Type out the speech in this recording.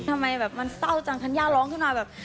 ทำไมแบบมันเศร้าจังธัญญาร้องขึ้นมาแบบ